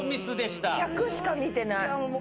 １００しか見てない。